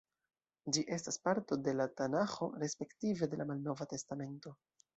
Ĝi estas parto de la Tanaĥo respektive de la Malnova Testamento.